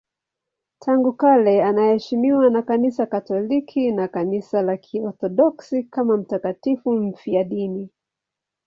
Tangu kale anaheshimiwa na Kanisa Katoliki na Kanisa la Kiorthodoksi kama mtakatifu mfiadini.